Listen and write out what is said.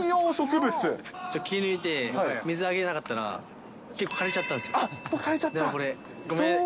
気抜いて、水あげなかったら、結構、枯れちゃったんですよ。